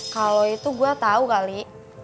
kalau itu gue tahu kali